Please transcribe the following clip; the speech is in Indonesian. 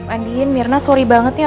andien mirna sorry banget ya aku